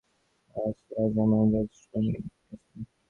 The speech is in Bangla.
প্রান্তরের মধ্যে আমি অন্ধ একাকী দাঁড়াইয়া আছি, আজ আমার যষ্টি ভাঙিয়া গেছে।